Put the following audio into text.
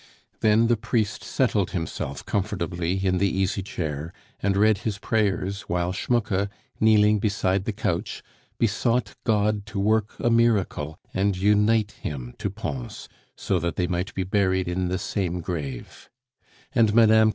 Then the priest settled himself comfortably in the easy chair and read his prayers while Schmucke, kneeling beside the couch, besought God to work a miracle and unite him to Pons, so that they might be buried in the same grave; and Mme.